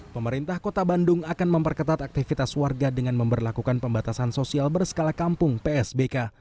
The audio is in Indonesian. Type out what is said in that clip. pemerintah kota bandung akan memperketat aktivitas warga dengan memperlakukan pembatasan sosial berskala kampung psbk